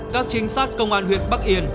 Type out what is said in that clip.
các trinh sát công an huyện bắc yên